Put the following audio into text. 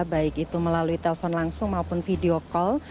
baik itu melalui telepon langsung maupun video call